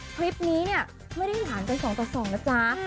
คลิปนี้ไม่ได้ผ่านกัน๒ต่อ๒นะจ๊ะ